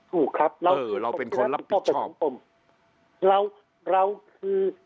ถูกครับเราเป็นคนรับผิดชอบ